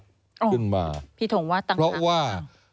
ซึ่งมาเพราะว่า